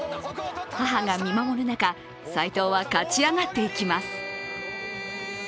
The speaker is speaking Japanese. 母が見守る中、斉藤は勝ち上がっていきます。